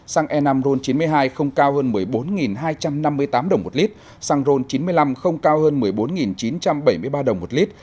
xăng e năm ron chín mươi hai không cao hơn một mươi bốn hai trăm năm mươi tám đồng một lít xăng ron chín mươi năm không cao hơn một mươi bốn chín trăm bảy mươi ba đồng một lít